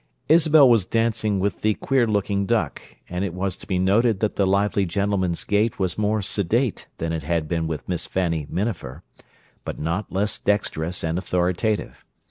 Isabel was dancing with the queer looking duck; and it was to be noted that the lively gentleman's gait was more sedate than it had been with Miss Fanny Minafer, but not less dexterous and authoritative.